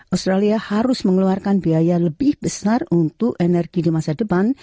australia harus mengeluarkan biaya lebih besar untuk energi di masa depan